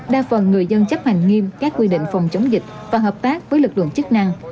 đa phần người dân chấp hành nghiêm các quy định phòng chống dịch và hợp tác với lực lượng chức năng